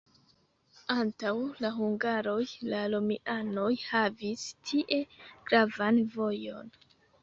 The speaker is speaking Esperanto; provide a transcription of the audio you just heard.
Antaŭ la hungaroj la romianoj havis tie gravan vojon.